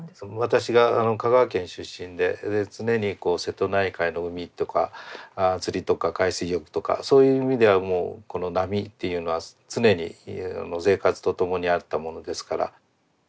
私が香川県出身でで常に瀬戸内海の海とか釣りとか海水浴とかそういう意味ではもうこの波というのは常に生活とともにあったものですから。